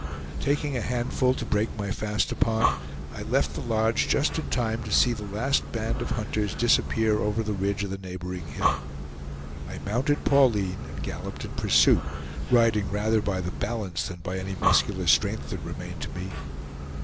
Taking a handful to break my fast upon, I left the lodge just in time to see the last band of hunters disappear over the ridge of the neighboring hill. I mounted Pauline and galloped in pursuit, riding rather by the balance than by any muscular strength that remained to me.